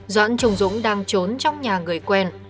doãn trùng dũng đang trốn trong nhà người quen